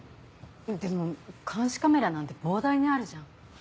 でも監視カメラなんて膨大にあるじゃん。